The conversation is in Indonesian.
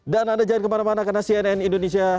dan anda jangan kemana mana karena cnn indonesia